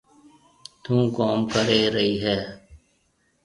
ٿُون ڪوم ڪري رئي هيَ۔